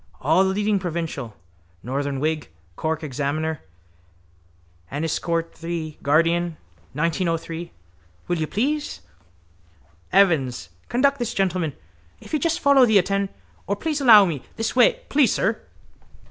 —All the leading provincial... Northern Whig, Cork Examiner, Enniscorthy Guardian, 1903... Will you please?... Evans, conduct this gentleman... If you just follow the atten... Or, please allow me... This way... Please, sir...